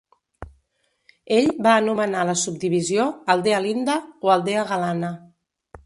Ell va anomenar la subdivisió "Aldea Linda" o Aldea Galana.